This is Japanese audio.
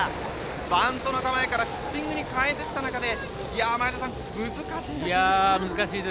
バントの構えからヒッティングに変えてきた中で。